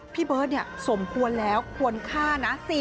พี่เบิร์ตสมควรแล้วควรฆ่านะ